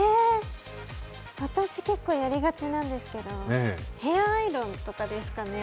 私、結構やりがちなんですけどヘアアイロンとかですかね。